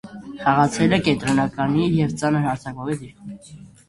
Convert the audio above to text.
Խաղացել է կենտրոնականի և ծանր հարձակվողի դիրքերում։